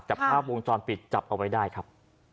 แต่ภาพวงจรปิดจับเอาไว้ได้ครับ